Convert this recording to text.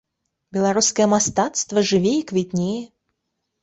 Беларускае мастацтва жыве і квітнее.